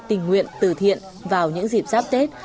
tình nguyện từ thiện vào những dịp giáp tết